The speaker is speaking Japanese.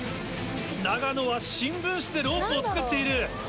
長野は新聞紙でロープを作っている。